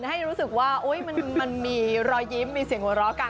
ให้รู้สึกว่ามันมีรอยยิ้มมีเสียงหัวเราะกัน